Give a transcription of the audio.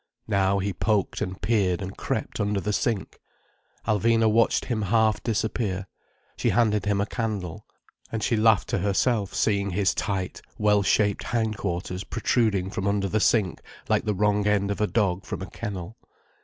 Now he poked and peered and crept under the sink. Alvina watched him half disappear—she handed him a candle—and she laughed to herself seeing his tight, well shaped hind quarters protruding from under the sink like the wrong end of a dog from a kennel.